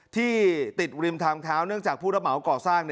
ที่ติดริมทางเท้าเนื่องจากผู้รับเหมาก่อสร้าง